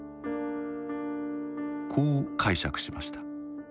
こう解釈しました。